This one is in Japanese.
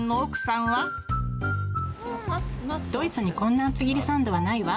ドイツにこんな厚切りサンドはないわ。